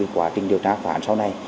quá trình điều tra phản sau này